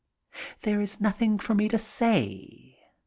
There is nothing for me to say.